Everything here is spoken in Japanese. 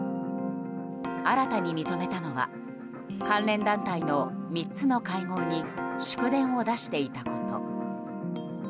新たに認めたのは関連団体の３つの会合に祝電を出していたこと。